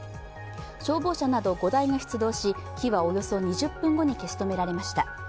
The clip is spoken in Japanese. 消防車など５台が出動し、火はおよそ２０分後に消し止められました。